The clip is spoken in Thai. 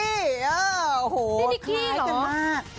นี่นิกกี้เหรอ